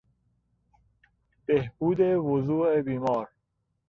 بهبود وضوع بیمار